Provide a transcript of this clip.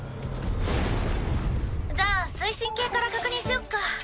じゃあ推進系から確認しよっか。